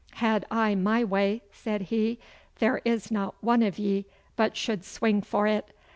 'Had I my way,' said he, 'there is not one of ye but should swing for it.